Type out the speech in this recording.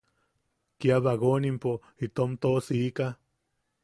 Kia bagonpo itom toʼosika.